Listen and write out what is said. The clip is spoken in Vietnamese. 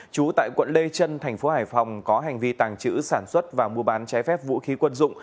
trú tại quận lê trân thành phố hải phòng có hành vi tàng trữ sản xuất và mua bán trái phép vũ khí quân dụng